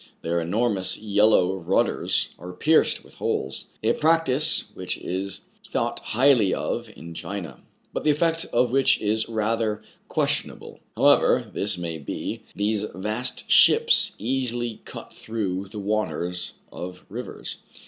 Their enormous yellow rudders are pierced with holes, — a practice which is thought highly of in China, but the effect of which is rather questiona ble. However this may be, these vast ships easily cut through the waters of rivers.